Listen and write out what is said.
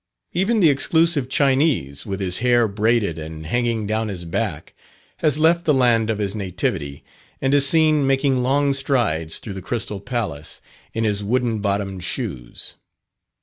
Even the exclusive Chinese, with his hair braided, and hanging down his back, has left the land of his nativity, and is seen making long strides through the Crystal Palace, in his wooden bottomed shoes.